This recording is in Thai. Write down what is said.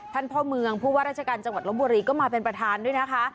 พ่อเมืองผู้ว่าราชการจังหวัดลบบุรีก็มาเป็นประธานด้วยนะคะ